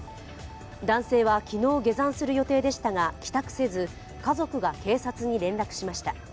男性は昨日、下山する予定でしたが帰宅せず、家族が警察に連絡しました。